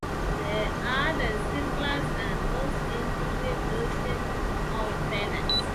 They are the simplest and most intuitive notions of fairness.